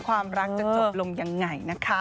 ความรักจะจบลงยังไงนะคะ